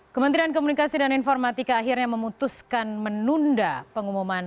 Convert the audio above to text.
kementerian komunikasi dan informatika akhirnya memutuskan menunda pengumuman